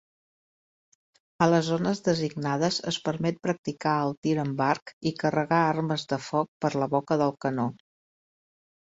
A les zones designades es permet practicar el tir amb arc i carregar armes de foc per la boca del canó.